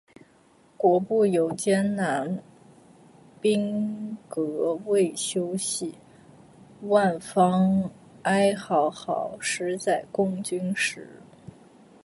国步犹艰难，兵革未休息。万方哀嗷嗷，十载供军食。